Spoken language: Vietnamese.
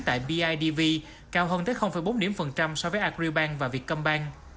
lãi suất kỳ hạn từ một đến một mươi một tháng tại pidv cao hơn tới bốn điểm phần trăm so với agribank và vietcombank